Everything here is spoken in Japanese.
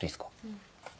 うん。